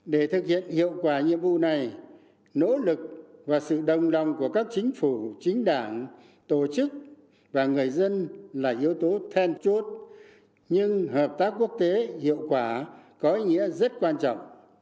để thực hiện hiệu quả nhiệm vụ này nỗ lực và sự đồng lòng của các chính phủ chính đảng tổ chức và người dân là yếu tố then chốt nhưng hợp tác quốc tế hiệu quả có ý nghĩa rất quan trọng